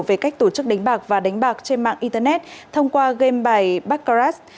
về cách tổ chức đánh bạc và đánh bạc trên mạng internet thông qua game bài baccarag